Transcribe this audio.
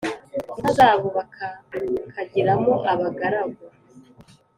inka zabo bakakagiramo abagaragu.